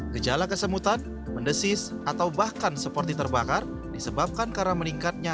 gejala kesemutan mendesis atau bahkan seperti terbakar disebabkan karena meningkatnya